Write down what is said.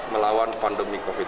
melawan pandemi covid